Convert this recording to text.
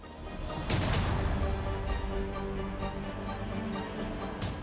saya tidak akan menanggapi ini